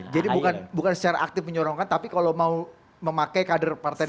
jadi bukan secara aktif menyorongkan tapi kalau mau memakai kader partai demokrat